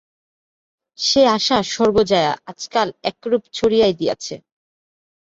সে আশা সর্বজয়া আজকাল একরূপ ছাড়িয়াই দিয়াছে।